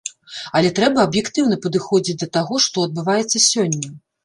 Але трэба аб'ектыўна падыходзіць да таго, што адбываецца сёння.